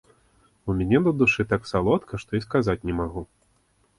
У мяне на душы так салодка, што і сказаць не магу.